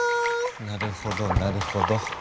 なるほどなるほど。